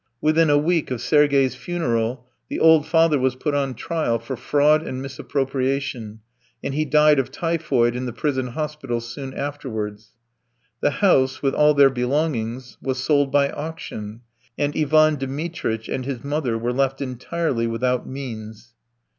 Within a week of Sergey's funeral the old father was put on trial for fraud and misappropriation, and he died of typhoid in the prison hospital soon afterwards. The house, with all their belongings, was sold by auction, and Ivan Dmitritch and his mother were left entirely without means.